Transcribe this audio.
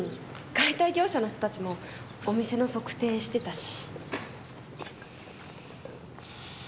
解体業者の人たちもお店の測定してたし。